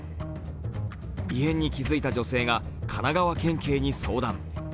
異変に気づいた女性が神奈川県警に相談。